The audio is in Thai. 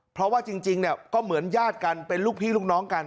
เพราะว่าจริงเนี่ยก็เหมือนญาติกันเป็นลูกพี่ลูกน้องกัน